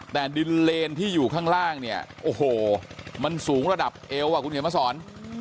แต่ดินเลนที่อยู่ข้างล่างเนี่ยโอ้โหมันสูงระดับเอวอ่ะคุณเขียนมาสอน